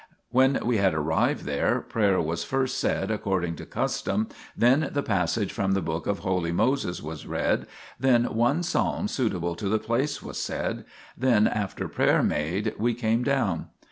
When we had arrived there, prayer was first said according to custom, then the passage from the book of holy Moses was read, then one psalm suitable to the place was said, then, after prayer made, we came down.